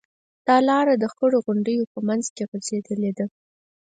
دا لاره د خړو غونډیو په منځ کې غځېدلې ده.